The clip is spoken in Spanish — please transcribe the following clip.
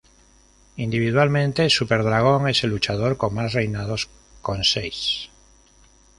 Individualmente, Super Dragon es el luchador con más reinados con seis.